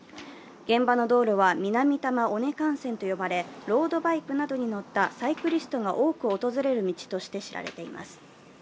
現場の道路は南多摩尾根幹線と呼ばれ、ロードバイクなどに乗ったサイクリストが多く訪れる道として知られています。